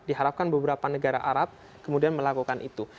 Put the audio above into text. diharapkan beberapa negara arab kemudian melakukan itu